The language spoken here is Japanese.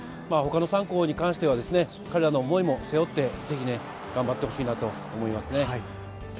他の３校に関しては彼らの想いも背負って、ぜひ頑張ってほしいなと思います。